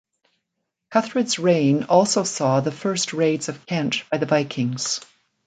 Cuthred's reign also saw the first raids of Kent by the Vikings.